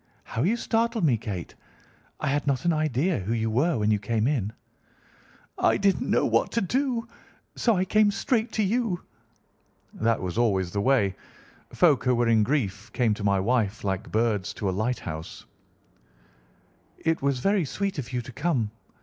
How you startled me, Kate! I had not an idea who you were when you came in." "I didn't know what to do, so I came straight to you." That was always the way. Folk who were in grief came to my wife like birds to a lighthouse. "It was very sweet of you to come.